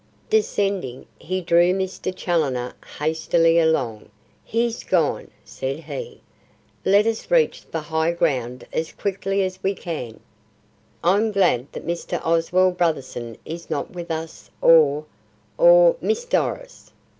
Descending, he drew Mr. Challoner hastily along. "He's gone," said he. "Let us reach the high ground as quickly as we can. I'm glad that Mr. Oswald Brotherson is not with us or or Miss Doris."